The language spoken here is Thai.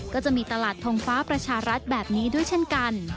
ก็จะมีตลาดทงฟ้าประชารัฐแบบนี้ด้วยเช่นกัน